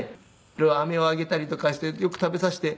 アメをあげたりとかしてよく食べさせて。